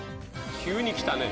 急に来たね。